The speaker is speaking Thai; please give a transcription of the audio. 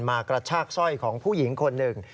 กระชากสร้อยของผู้หญิงคนหนึ่ง